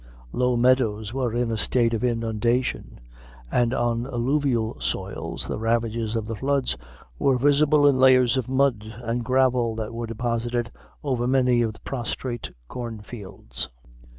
Low meadows were in a state of inundation, and on alluvial soils the ravages of the floods Were visible in layers of mud and gravel that were deposited over many of the prostrate corn fields.